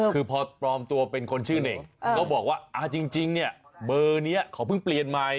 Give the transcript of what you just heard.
คือพอปลอมตัวเป็นคนชื่อเน่งก็บอกว่าจริงเนี่ยเบอร์นี้เขาเพิ่งเปลี่ยนใหม่